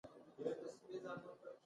هغوى راته کيسې کولې.